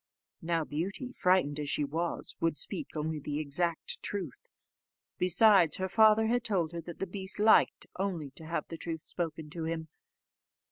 Now Beauty, frightened as she was, would speak only the exact truth; besides, her father had told her that the beast liked only to have the truth spoken to him.